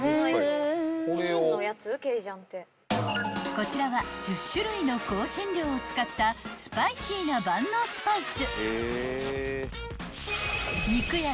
［こちらは１０種類の香辛料を使ったスパイシーな万能スパイス］